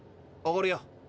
おごるよ。